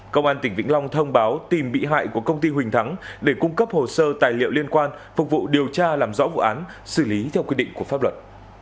công an tỉnh vĩnh long thông báo tìm bị hại của công ty huỳnh thắng để cung cấp hồ sơ tài liệu liên quan phục vụ điều tra làm rõ vụ án xử lý theo quy định của pháp luật